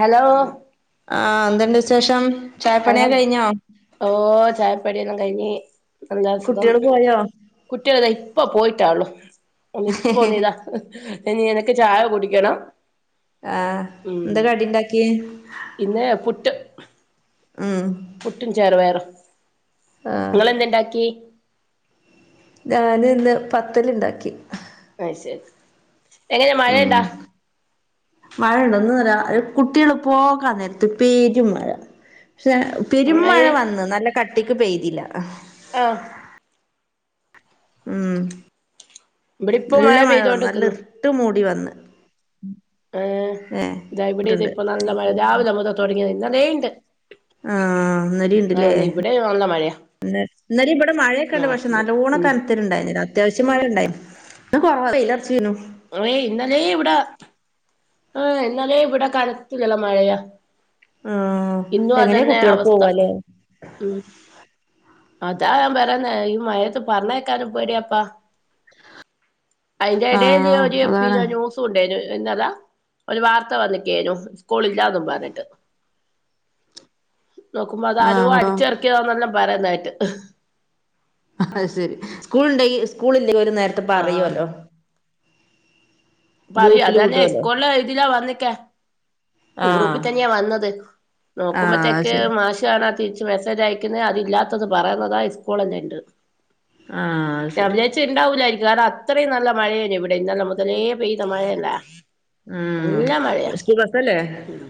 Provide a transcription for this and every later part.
Hello ആ എന്തുണ്ട് വിശേഷം ആ ചായപ്പണിയൊക്കെ കഴിഞ്ഞോ ഓ ചായപ്പട്ടിയെല്ലാം കഴിഞ്ഞേ കുട്ടികൾ പോയോ കുട്ടികളതാ ഇപ്പ പോയിട്ടാ ള്ളൂ ഒ ഇപ്പൊ നീതാ ഇനി എനക്ക് ചായ കുടിക്കണം ആഹ് ഉം എന്താ കടി ഉണ്ടാക്കിയേ പിന്നെ പുട്ട് ഉം പുട്ടും ചെറുപയറും ആഹ് നിങ്ങെളെന്തുണ്ടാക്കി ഞാൻ ഇന്ന് പത്തലുണ്ടാക്കി അ ശരി എങ്ങനെ ഉം മഴയണ്ടാ മഴയുണ്ടോ കുട്ടികള് പോകാ നേരത്ത് പെരുംമഴ പക്ഷെ പെരു മഴ മഴയ് വന്നു നല്ല കട്ടിക്ക് പെയ്തില്ല ആ ഉം ഇവിടെ ഇപ്പ നല്ല മഴ വന്നു നല്ല പെയ്തോണ്ടിക്ക്ന്ന് ഇരുട്ട് മൂടി വന്ന് ആഏ ഏഹ് ഇതാ ഇവിടെ ഇത് ണ്ട് ഇപ്പൊ നല്ല മഴ രാവിലെ മുതൽ തുടങ്ങിയത് ഇന്ന ലെയണ്ട് ആ അന്നരിയുണ്ടല്ലേ ഇവിടെ നല്ല മഴയാ ഇന്നാലം ഇവിടെ മഴയൊക്കെ ഉണ്ട് പക്ഷെ ആഹ് നല്ലോണം ഉം കനത്തട്ടുണ്ടായിരു അത്യാവശ്യം ച്ചിമാരുണ്ടായിരുന്നു [unintelligible] കൊറൽറച്ചീനു ഓയ് ഇന്നലേ ഇവിടെ ആ എന്നാലേ ഇവിടെ കനത്തില്ലല്ലോ മഴയാ ആഹ് ഇന്നും എങ്ങനെ അതുതന്നെയാ കുട്ടികള് അവസ്ഥ പോവാല്ലേ ഉം അതാ ഞാൻ പറയുന്നേ ഈ മഴയത്ത് പറഞ്ഞേക്കാനും പേടിയപ്പാ അതിന്റെ ഇടല്ല ആഹ് ഒരു എപ്പി അതാണ് ജൂസ ഉണ്ടേ [unintelligible] എന്നന്നതാ ഒരു വാർത്ത വന്നക്കേഞ്ഞു സ്കൂള ഇല്ലാന്നും പറഞ്ഞിട്ട് [inaudible] നോക്കുമ്പോ അത ആഹ് ആരു അങ്ങടോ അടിച്ച ഇറക്കിയതോന്നെല്ലാം പറയുന്നായിട്ട് അ ശരി സ്കൂൾ ഉണ്ടെ സ്കൂൾ ഇല്ലെ ങ്കി അവർനേരത്തെ ആഹ് പറയുവല്ലോ പറയൂ ഗ്രൂപ്പില് അതന്നെ ഹൈ വിടുവല്ലോ സ്കൂളില് എഴുതിലാ വന്നേക്കാ ആഹ് ഗ്രൂപ്പിൽ തന്നെയാ വന്നത് ആഹ് അത് നോക്കുമ്പത്തേക്ക് ശരി മാഷ് കാണാ തിരിച്ച് മെസ്സേജ് അയക്കുന്നേ അതില്ലാത്തത് പറയുന്നതാ സ്കൂളിന് നിന്ന് ഉണ്ട് ആഹ് അത് ഞാൻ ശരി വിചാരിച്ചു ഇണ്ടാവൂലായിരിക്കും അത്രയും നല്ല മഴയാണ് ഇവിടെ ഇന്നലെ മുതലേ പെയ്ത മഴയല്ല ഉം സ്കൂൾബസല്ലേ ഉം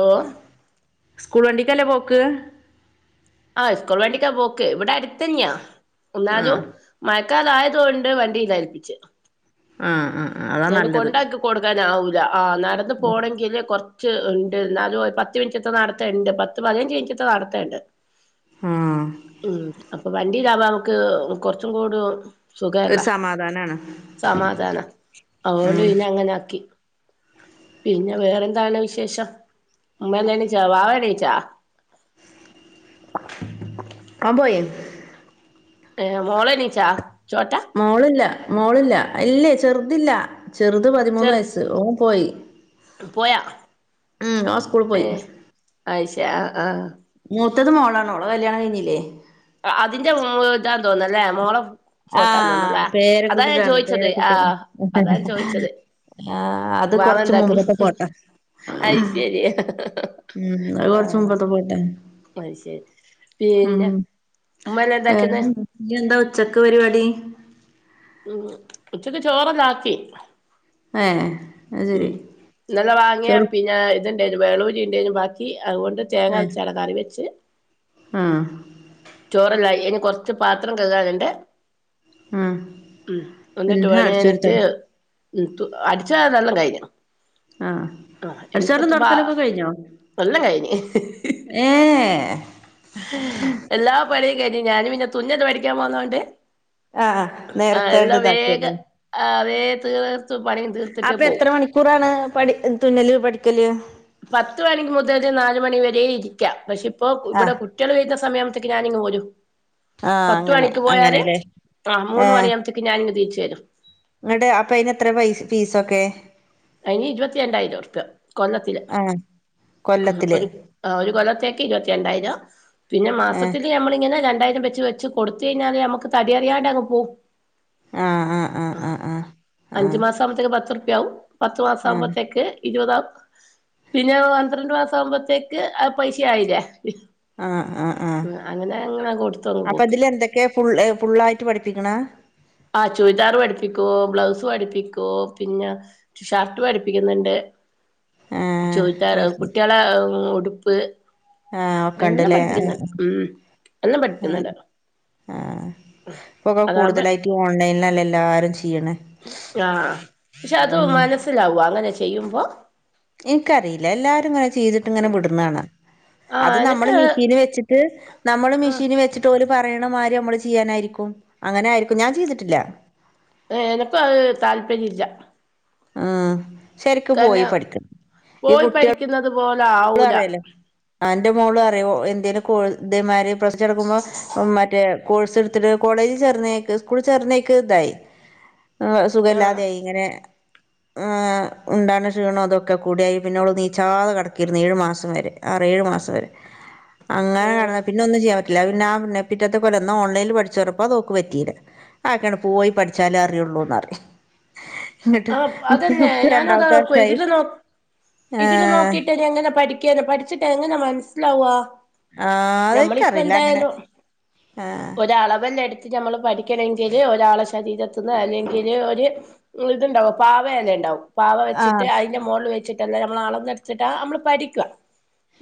ഓ സ്കൂൾ വണ്ടിക്കല്ലേ പോക്ക് ആഹ് സ്കൂൾ വേണ്ടിക്കാ പോക്ക് ഇവിടെ അടുത്തന്നെയാ ഒന്നാലോ ആഹ് മ ക്കാതായത് കൊണ്ട് വണ്ടിയിലാ ഏൽപ്പിച്ച് ആ ആ എന്നിട്ട് കൊണ്ടാക്കി കൊടുക്കാന ആവൂല്ല ആ നടന്ന്പോകണമെങ്കില് കൊ കുറച്ച്ഉണ്ട് എന്നാല് പത്ത് മിനിറ്റത്തെ നടത്തുണ്ട് പത്ത് പതിനഞ്ച് മിനിറ്റത്തെ നടത്തണ്ട് ആഹ് ഉം അപ്പൊ വണ്ടിടാവാ നമുക്ക് കുറച്ചും കൂടി ഒരു സുഖമല്ലേ സമാധാനാണ് സമാധാനം അതുകൊണ്ട് ഉം പിന്നെ അങ്ങനെ ആക്കി പിന്നെ വേറെന്താണ് വിശേഷം ഉമ്മ എണീച്ചോ വാവ എണീച്ചോ അവൻ പോയോ ഏ മോളെണിച്ചോ മോളില്ല മോളില്ല അല്ലേ ചെറുതില്ല ചെറുത് പതിമൂന്ന് ചെറു വയസ്സ് ഓ പോയി പോയാ ഉം ഓൻ സ്കൂള് ഏ പോയി അത്ശരി ആ ആഹ് മൂത്തത് മോളാണോളോ കല്യാണം കഴിഞ്ഞില്ലേ അതിന്റെ ഇതാന്ന് തോന്നല്ലേ മോളം ആഹ് പേരക്കുട്ടിനാണ് ചോദിച്ചത് ആ പേരക്കുടിനെ അതാ ഞാൻ ചോദിച്ചത് ആന് അത് വാവ കൊറച്ച് എന്താക്കുന്നു മുമ്പോട്ട് പോട്ടെ അത് ശരി ഉം അത് ആ കൊർച്ച് മുമ്പത്തെ ഫോട്ട അത് ശരി ഉം പിന്നെ ഉമ്മയെല്ലാം എന്താക്കുന്ന് ഞ്ഞ് എന്താ ഉച്ചക്ക് ചക്ക് പരിപാടി ഉച്ചക്ക് ചോറല്ലാക്കി ഏഹ് അത് ഉം ശരി ഇന്നലെ വാങ്ങിയ ചോറ് പിന്നെ ഇത്ണ്ടേ നി വേളൂരി ഉണ്ടെനി അതുകൊണ്ട് തേങ്ങ ആഹ് അരച്ചാട കറി വെച്ച് ആഹ് ചോറല്ല ഇനി കൊറച്ച് പാത്രം കഴുകാനുണ്ട് ആഹ് ഉം എന്നിട്ട് പിന്നെ വേണ അടിച്ചോരി തൊട എനിക്ക് ഉ അടിച്ച അതെല്ലാം കഴിഞ്ഞു ആഹ് ആഹ് ഇനിയിപ്പ അടിച്ചാരലും തുപാ തുൊടക്കലൊക്കെ കഴിഞ്ഞോ എല്ലാം കഴിഞ്ഞ് ഏ എല്ലാ പണിയും കഴിഞ്ഞ് ഞാനും പിന്നെ തുന്നൽ പഠിക്കാൻ പോന്നോണ്ട് ആഹ് ആഹ് നേരത്തെണ്ട് എല്ലാം ഇതാക്കല്ലേ വേഗം ആഹ് അതേ തീർത്ത് പണിയും തീർത്തിട്ടേ അപ്പൊ എത്ര പോവും മണിക്കൂറാണ് പഠി തുന്നല് പഠിക്കല് പത്ത് മണിക്ക് മുതൽ നാല് മണി വര ഇരിക്കാം പക്ഷെ ഇപ്പോ ഇവിടെ ആഹ് സമയമത്തേക്ക് ഞാനിങ് പോരും ആഹ് പത്ത് അങ്ങനെ മണിക്ക് പോയാല് അങ്ങനെല്ലേ ആ മൂന്ന് ഏഹ് മണിയാകുമ്പത്തേക്ക് ഞാനിങ്ങ് തിരിച്ചു തരും ഇങ്ങട്ട് അപ്പ അയിന് എത്ര പൈസ ഫീസൊക്കെ അതിനി ഇരുപത്തി രണ്ടായിരം ഉറുപ്പിക കൊല്ലത്തി ആഹ് കൊല്ലത്തില് ഒരു ഒരു കൊല്ലത്തേക്ക് ഇരുപത്തി രണ്ടായിരം പിന്നെ ഏഹ് മാസത്തി നമ്മള് ഇങ്ങനെ ര രണ്ടായിരം വെച്ച് വെച്ച് കൊടുത്തു കഴിഞ്ഞാല് നമുക്ക് തടി അറിയാണ്ട്ങ് പോവും ആഹ് ആഹ് ആ ആഹ് ആഹ് അഞ്ചു ആഹ് മാസ ആവുമ്പത്തേക്ക് പത്തുർപ്യയാവും പത്ത് മാസം ആഹ് ആഹ് ആുമ്പോഴത്തേക്ക് ഇരുപതാവും പിന്നെ പന്ത്രണ്ട് മാസം ആവുമ്പോത്തേക്ക് ആ പൈസ ആയില്ല ആഹ് ആ ആ കൊടുത്തങ്ങ് അപ്പൊ പോക്ക് ഇതില് എന്തൊക്കെയ ഫു ഫുള്ളായിട്ട് പഠിപ്പിക്കണ ആ ചുരിദാർ പഠിപ്പിക്കുവോ ബ്ലൗസ് പഠപ്പിക്കുവോ പിന്നെ ഷർട്ട് പഠിപ്പിക്കുന്നുണ്ട് ആഹ് ചോദിച്ചാറ് കുട്ടികളെ ഉടുപ്പ് ആഹ ഒക്കെ എല്ലാം ഉണ്ടല്ലേ ആ പഠിപ്പിക്കുന്നുണ്ട് ഉം എല്ലാം ആ പഠിപ്പിക്കുന്നുണ്ട് ആ ഇപ്പൊക്കെ അതാവുമ്പോ കൂടുതലായിട്ട് ഓൺലൈനിലല്ല എല്ലാരും ചെയ്യണേ ആഹ പക്ഷെ അത് ആഹ് മനസ്സിലാവും അങ്ങനെ ചെയ്യുമ്പോ എനിക്കറിയില്ല എല്ലാരും ഇങ്ങനെ ചെയ്തിട്ട് ഇങ്ങനെ വിടന്ന കാണാ അത് ആഹ് നമ്മള് എനക്ക് മെഷീന് വെച്ചിട്ട് നമ്മള് ആഹ് മെഷീന് വെച്ചിട്ട് പോലും പറയണ മാരി നമ്മള് ചെയ്യാനായിരിക്കും അങ്ങനെ ആയിരിക്കും ഞാൻ ചെയ്തിട്ടില്ല എനക്കും അത് താല്പര്യ ഇല്ല ആഹ ശരിക്ക പോയി കാരണം പഠിക്കണം ഈ പോയി കുട്ടികൾ പഠിക്കുന്നത് പോലെ മോള് ആവൂല അറിയല്ലോ ആ ന്റെ മോള് അറിയും എന്തേലും കോ തേമാതിരി [unintelligible] എടുക്കുമ്പോൾ മറ്റേ കോഴ്സ് എടുത്തിട്ട് കോളേജ് ചേർന്നേക്ക് സ്കൂൾ ചേർന്നേക്ക് ഇതായി ആ ആഹ് സുഖല്ലാതെ ആയി ഇങ്ങനെ ആ ഉണ്ട ക്ഷീണം അതൊക്കെ കൂടിയായി പിന്നെോള് നീച്ചാതെ കട ഏഴു മാസം വരെ ആ ഏഴു മാസം വരെ അങ്ങനെ ആഹ് കടന്നാ പിന്നെ ഒന്നും ചെയ്യാ പറ്റ ല്ല പിന്നെ ന്നെ പിറ്റത്തെ പോലെ ഒന്ന ഓൺലൈൽ പഠിച്ചോറഞ്ഞപ്പ അതോക്ക് പറ്റിയില്ല ആ അങ്ങനെ പോയി പഠിച്ചാലേ അറിയുള്ളൂന്ന്റിയും ആ അതന്നെ ഞാനത നോക്ക വർഷായി ഇതില് നോ ഇതില് ആഹ് നോക്കിട്ട്ങ്ങനെ പഠിക്കാന്. പഠിച്ച്ട്ട് എങ്ങന മനസ്സ്ലാവാ ആഹ് അതെനിക്കറിയില്ല അങ്ങനെ ഞമ്മളിപ്പെന്തായാലും ആഹ് ഒരളവല്ലെ എടുത്ത്റ്റ് ഞമ്മള് പഠിക്കണെങ്കില് ഒരാളെ ശരീരത്ത്ന്ന് അല്ലെങ്കില് ഒര് ഇത്ണ്ടാവും പാവെല്ലണ്ടാവും പാവ ആഹ് വെച്ച്ട്ട് അയിന്റെ മോള്ല് വെച്ചിട്ടന്നെ ഞമ്മള് അളന്നെട്ത്ത്ട്ട് ഞമ്മള് പഠിക്ക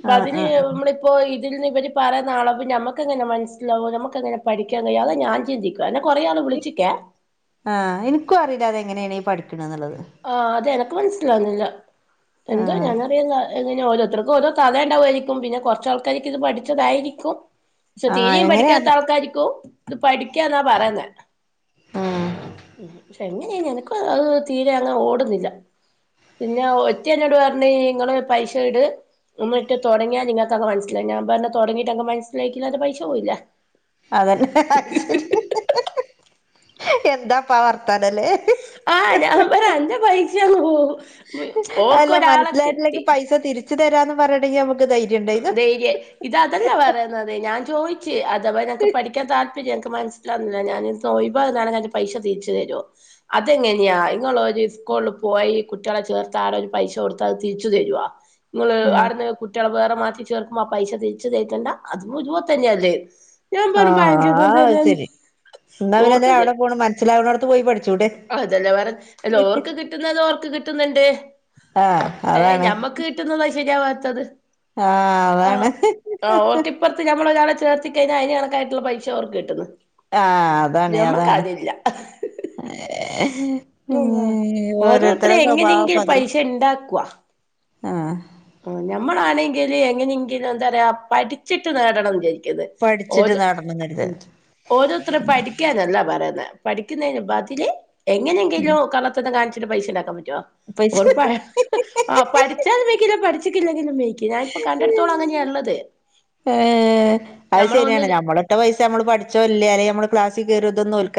പ്പൊ ആഹ് അതിന് ആഹ് ആഹ് നമ്മള ഇപ്പോ ഇതിൽന്ന് ഇവര് പറയ്ന്ന അളവ് ഞമ്മക്കെങ്ങന മനസ്സ്ലാവ. ഞമ്മക്കെങ്ങന പഠിക്കാൻ കയ്യ അതാ ഞാൻ ചിന്തിക്ക ആഹ് ഇൻക്കു അറീല അതെങ്ങനേണ് പഠി ആഹ് അതെനക്ക് മനസ്സ്ലാവുന്നില്ല. എന്തൊ ആഹ് ഞാനറിയുന്ന എങ്ങനൊ ഓരോര്ത്തർ ഓരോ കതേണ്ടാവുയിരിക്കും പിന്നെ കൊറച്ച് ആൾകാരൊക്ക് ഇത് പഠിച്ചതായിരിക്കും പക്ഷെ ആഹ് തീരീം പഠിക്കാത്ത എങ്ങനെയാന്ന് ആൾക്കാരിക്കും പഠിക്കാന്ന പറയ്ന്നെ. ഉം പക്ഷെ എങ്ങനേന് എനകു അത് അങ് ഓട്ന്നില്ല പിന്നെ ഒര്ത്തിനോട് പറഞ് ഇങ്ങള് പൈസ ഇട് മറ്റേ തുടങ്ങിയാ നിങ്ങക്ക് അങ് മനസിലാവും. ഞാ പറഞ് തൊടങ്ങീട്ട് എന്ക്ക് മനസ്സിലായിക്കില്ല. എന്റെ പൈസ പോയില്ലെ അതന്നെ എന്താ പാ വർത്താനംല്ലെ ആഹ് ഞാൻ പറ അന്റെ പൈസ അങ് പോ അല്ല മനസ്സ്ലായിട്ടില്ലെങ്കി പൈസ തിരിച്ചു തരാന്ന് പറഞ്ട്ട് ഞി ഞമ്മ ധൈര്യ ഇത് അതല്ല പറയ്ന്നത് ഞാൻ ചോയ്ച്ച് അഥവ ഞങക്ക് പഠിക്കാ താല്പര്യ മനസ്സിലാവ്ന്നില്ല ഞാന് തൊയ്ബ ഇതാണ് ഞങക് പൈസ തിരിച്ച് തരോ അതെങ്ങനെയാ ഇങ്ങളൊര് സ്കൂള്ൽ പോയി കുട്ടീളെ ചേർത്ത് ആടെ ഒരു പൈസകൊടുത്ത അത് തിരിച്ച് തരോ? ഇങ്ങള് ഉം ആടെന്ന് കുട്ടീളെ മാറ്റി ചേർക്ക്മൊ ആ പൈസ തിരിച്ച് തര്തണ്ട. അത് ഇത്‌ പോൽതന്ന്യാല്ലെ ആഹ് ആഹ് അയ് ശരി ന്നാപിന്നെ എന്തെ അവടെ പോണ് മനസ്സിലാവ്ണോടത്ത് പോയി പഠി അതല്ലെ പറഞ് അല്ല ഓർക്ക് കിട്ടുന്നത് ഓർക്ക് കിട്ടുന്ന്ണ്ട് ആഹ് ഏഹ് അതാണ് ഞമ്മക്ക് കിട്ട്ന്നതാ ശരിയാവ ആഹ് ആഹ് അതാണ് ആഹ് ഓർക്ക് ഇപ്പറ്ത്ത് ഞമ്മളൊരാളെ ചേർത്തി കഴിഞ അയിന് കണക്കായിട്ട്ള്ള പൈസ ഓർക്ക് കിട്ട്ന്ന് ആഹ് അതാണ് ഞമ്മക്ക് അതാണ് അതില്ല ഉം ഓരോര്ത്തരെ ഓരോരുത്തരെ സ്വഭാവം എങ്ങനെങ്കിലും അത് പൈഷണ്ടാക്ക്വാ ആഹ് ആഹ് ഞമ്മളാണെങ്കില് എങ്ങനെങ്കിലും എന്താ റയാ പഠ്ച്ച്ട്ട് നേടണം ജാരിക്കു പഠിച്ചിട്ട് ഓത് നടണംന്നരുത് ഉം. ഓരോര്ത്തറ് പഠിക്കാനല്ല പറ പഠിക്കുന്നേന് ബതില് എങ്ങനെങ്കിലൂ കള്ളത്തരം കാണിച്ച്ട്ട് പൈസണ്ടാക്കാൻ പൈസ ഓർ പറയ ഹ്ഹ്ഹ ഞാന്പ്പൊ കണ്ടട്ത്തോള അങ്ങനെയ ഇള്ളത് ഏഹ് അയ് ഞമ്മള സരിയാണ് ഒന്നില് ഞമ്മളിട്ട പൈസ നമ്മള് പഠിച്ചൊ ഇല്ലെ അല്ലെങ്കി ഞമ്മള് ക്ലാസി കരുതുന്നൊൽക്ക്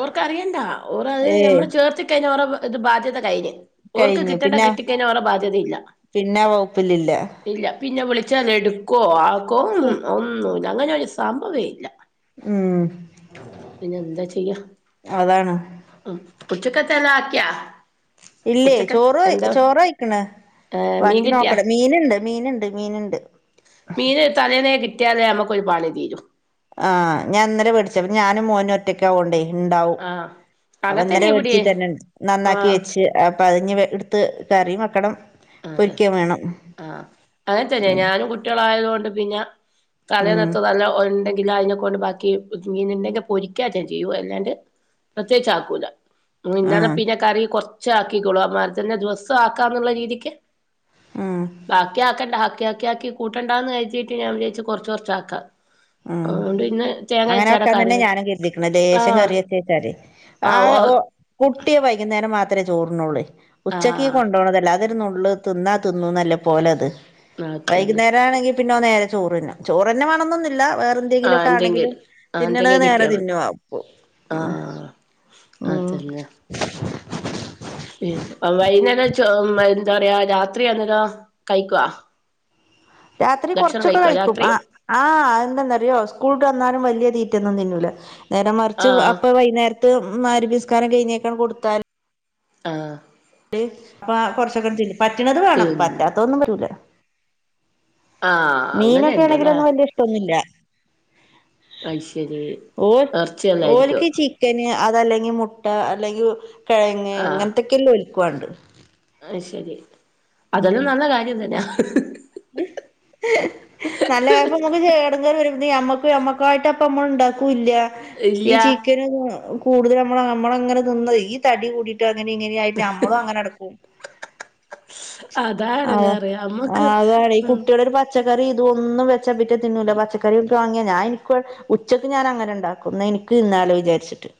ഓർക്കറിയണ്ട ഓറ് അത് ഏയ് ഞമ്മളെ ചേർത്തി കഴിഞ്ഞ ഓറെ അത് ബാധ്യത കഴിഞ്ഞ് ഓർക്ക് കഴിഞ്ഞ് കിട്ടണ്ട പിന്നെ കിട്ടിക്കഴിഞ്ഞ ഓറ ബാധ്യതീല്ല പിന്നെ ആ വകുപ്പിലില്ല ഇല്ല പിന്നെ വിളിച്ചാന്നെടുക്കൊ ആക്കൊ ഒന്നു ഇ അങ്ങനെ ഒരു സമ്പവേ ഇല്ല ഉം പിന്നെന്താ ചെയ്യാ അതാണ് ആഹ് ഉച്ചക്കത്തെല്ലാ ആക്ക്യ ഇല്ലേ ചോറ് ചോറ് കഴിക്ക്ണ് ഏഹ് മീൻ ബാക്കി കിട്ടിയാ നോക്കണം മീന്ണ്ട് മീന്ണ്ട് മീന്ണ്ട് മീന് തലേന്നെ കിട്ടിയാല് ഞമ്മക്കൊര് പണി തീരും ആഹാ ഞാൻ ഇന്നലെ വേടിച്ചെ പി ഞാനും മോനും ഒറ്റക്കാവൊണ്ടെയ് ഇണ്ടാവും ആഹ് അപ്പം അങ്ങത്തന്നെ ഇന്നലെ വേടിച്ചെ ഇവിടേം തന്നെണ്ട് നന്നാക്കി ആഹ് വെച്ച് അപ്പ അതിഞ്ഞി വെ ഇട്ത്ത് കറി വക്കണം അതെ ആഹ് അങ്ങനെത്തന്നെ ഉം ഞാനും കുട്ടീളും ആയതോണ്ട് പിന്ന ഉം തലേന്നത്തത് നല്ല ഒണ്ടെ ങ്കിൽ അതിനെ കൊണ്ട് ബാക്കി മീന്ണ്ടെങ്കി പൊരിക്കാറ്റ ചെയ്യും അല്ലാണ്ട് പ്രത്യേകിച്ച് ആക്കൂല ഉം ഇന്നലെ ആഹ് പിന്നെ കറി കൊറച്ച് ആക്കിക്കോളുഅതന്നെ ദിവസ്സം ആക്കാന്നുള്ള രീതിക്ക് ഉം ബാക്കി ആക്കണ്ട ഹാക്കി ആക്കി ആക്കി കൂട്ടണ്ടാന്ന് കരിതീട്ട് ഞാൻ വിചാരിച്ച് കൊറച്ച് കൊറച്ച് ആക്കാൻ ആണ്ട് പിന്നെ അങ്ങനൊക്കെ തന്നെ ഞാനും കരുതീക്ക്ണ് ലേശം ആഹ് കറിയത്ത് വെച്ചാല് ആയ ഓ കുട്ടിയവൻ വൈകുന്നേരം മാത് ത്രേ ചോറുണ്ണോളേ ഉച്ചക്ക് ആഹ് കൊണ്ടോണതല്ല അതൊരു നുള്ള് തിന്നാ തിന്നുന്നല്ല പോലത് അതന്നെ വൈകുന്നേരം ആണെങ്കി പിന്നെ നേരെ ചോറിന്നും ചോറന്നെ വേണംന്നൊന്നില്ല വേറെ ആഹ് എന്തെങ്കിലുഒക്കെ ആണെങ്കിലും എന്തെങ്കിലും ആഹ് തിന്നണത് എന്തെങ്കിലും നേരെ കിട്ടിയാൽ മതി തിന്നുവാ പു ഉം അതല്ല വൈ വൈന്നേരം ചോമയ് എന്താ പറയാ രാത്രി അന്നേരം കഴിക്കുവാ [unintelligible] രാത്രി ഭക്ഷണം കൊറച്ചൊക്കെ കഴിക്കുവ കഴിക്കും രാത്രി അം ആ അന്തെന്നാറിയോ സ്കൂൾട്ട് വന്നാലും വല്ല്യ തീ റ്റൊന്നും തിന്നൂല നേരം മറിച്ച് ആഹ് അപ്പം വൈന്നേരത്ത് മാരിബിസ്കാരം കഴിഞ്ഞേക്കണ് കൊടുത്താല് ആഹ് ബെ അപ്പ കൊറച്ചൊക്കെ തിന്നും പറ്റണത് വേണം തിന്നു പറ്റാത്തതൊന്നും വരൂല ആഹ് അങ്ങനെ മീനൊക്കെ ഉണ്ടല്ലേ ആണെങ്കിലൊന്നും വല്ല്യ ഇഷ്ടൊന്നില്ല അയ്ശരി ഓര് നേർച്ചയല്ലായിരിക്കും ഓര്ക്ക് ചിക്കന് അതല്ലെങ്കി മുട്ട അല്ലെങ്കി കെഴങ്ങ് ഇങ്ങനത്തക്കെല്ലാം ഒലിക്കുവൊണ്ട് ആ ശെരി അതെല്ലാം നല്ല കാര്യം തന്നാ ഹ്ഹ നല്ല ആയപ്പം നിങ്ങൾക്ക് എടങ്ങേറ് വരും ഇത് ഞമ്മക്കുവേ ഞമ്മക്കായിട്ട് അപ്പം ഉമ്മ ഉണ്ടാക്കുല്ല ഈ ഇല്ല ചിക്കനും അ കൂടുതല് നമ്മള് നമ്മങ്ങന തിന്നത് ഈ തടി കൂടിട്ടാ അങ്ങനെയും ഇങ്ങനയും ആയിട്ന നമ്മളും അങ്ങനെ എടുക്കും അതാ എടങ്ങേറ് ആ അമ്മക്ക് അതാണ് ഈ ഉം കുട്ടിയടൊരു പച്ചക്കറി ഇതൊന്നും വെച്ചാ പിറ്റേ തിന്നൂല്ല പച്ചക്കറിയൊട്ട് വാങ്ങിയ ഞാൻ എനിക്ക് ഉച്ചക്ക് ഞാൻ അങ്ങനെ ഉണ്ടാക്കും എന്നാ എനിക്ക് തിന്നാലോ വിചാരിച്ചിട്ട്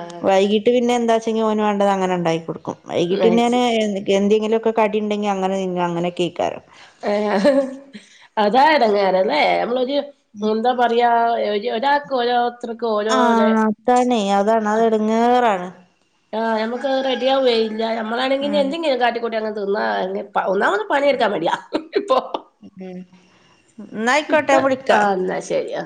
ആഹ് വൈകിട്ട് പിന്നെ എന്താച്ചെങ്കി ഓന് വേണ്ടത് അങ്ങനെ ഉണ്ടായിക്കൊടും വൈകിട്ടും ഞാന് നയിച്ച് എ എന്തേങ്കിലും ഒക്കെ കടി ഉണ്ടെങ്കി അങ്ങനെ തിന്നും അങ്ങന കയിക്കാറ് ഏ അതാ എടെങ്ങേറ് അല്ലേ നമ്മളൊരു എന്താ പറയാ ഒര് ഒരാക്ക് ഒരോ ആഹ് അതാണേ അതാണ് അത് എടങ്ങേറാണ് ആ ഞമ്മക്ക് റെഡിയാവുവെയില്ല ഞമ്മളാണെങ്കി ഇനി ഉം എന്തെങ്കിം കാട്ടിക്കൂട്ടി അങ് തിന്നാ [unintelligible] പ ഒന്നാമത് പണിയെടുക്കാൻ മടിയാ ഇപ്പൊ ഉം ന്നായിക്കോട്ടെ ഞാൻ ഇപ്പം വിളിക്കാ ആ ന്നാ ശെരിയാ